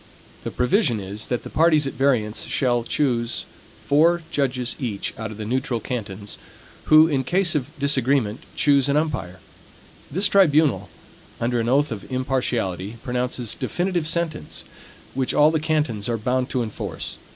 The provision is, that the parties at variance shall each choose four judges out of the neutral cantons, who, in case of disagreement, choose an umpire. This tribunal, under an oath of impartiality, pronounces definitive sentence, which all the cantons are bound to enforce.